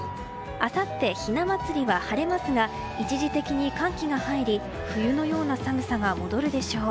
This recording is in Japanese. あさって、ひな祭りは晴れますが一時的に寒気が入り冬のような寒さが戻るでしょう。